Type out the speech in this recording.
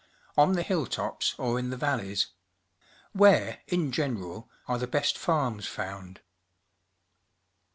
On the hilltops or in the valleys? 'VMiere, in general, are the best farms found?